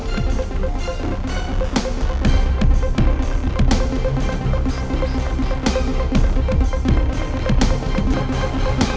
terima kasih daddy